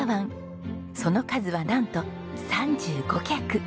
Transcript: その数はなんと３５客。